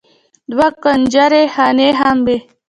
دوه کنجرې خانې هم وې.